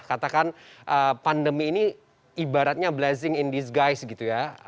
katakan pandemi ini ibaratnya blessing in disguise gitu ya